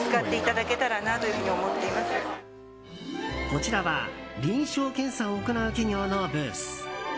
こちらは臨床検査を行う企業のブース。